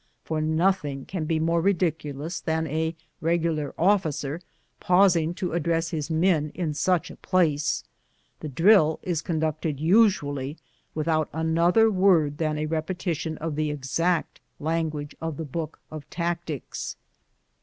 For nothing can be more ridiculous than a regular officer pausing to address his men in such a place. The drill 223 BOOTS AND SADDLES. is conducted usually without another word than a repe tition of the exact language of the book of tactics.